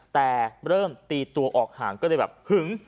แต่เริ่มตมติตัวออกห่างก็เลยเวร